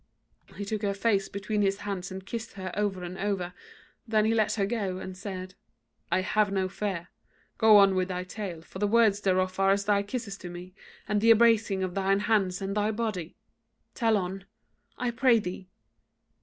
He took her face between his hands and kissed her over and over; then he let her go, and said: "I have no fear: go on with thy tale, for the words thereof are as thy kisses to me, and the embracing of thine hands and thy body: tell on, I pray thee."